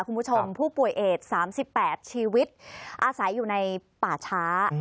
คุณผู้ชมผู้ป่วยเอด๓๘ชีวิตอาศัยอยู่ในป่าช้า